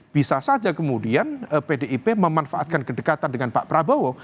bisa saja kemudian pdip memanfaatkan kedekatan dengan pak prabowo